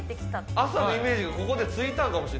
朝のイメージがついたのかも。